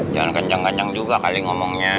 jangan kenceng kenceng juga kali ngomongnya